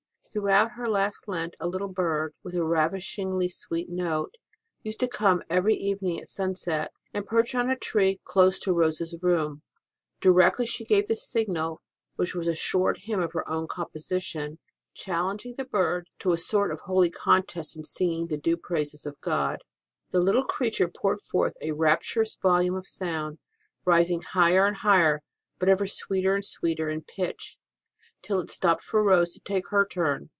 Throughout her last Lent a little bird, with a ravishingly sweet note, used to come every evening at sunset, and perch on a tree close to Rose s room. Directly she gave the signal, which was a short hymn of her own composition, challenging the bird to a sort of holy contest in singing the due praises of God, the little creature poured forth a rapturous volume of sound, rising higher and higher but ever sweeter and sweeter in pitch, till it stopped for Rose to take her turn.